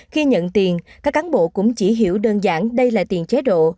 khi nhận tiền các cán bộ cũng chỉ hiểu đơn giản đây là tiền chế độ